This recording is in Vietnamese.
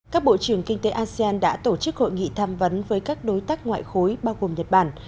các bộ trưởng kinh tế asean đã tổ chức hội nghị tham vấn với các đối tác ngoại khối bao gồm nhật bản